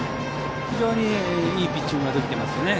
非常にいいピッチングができています。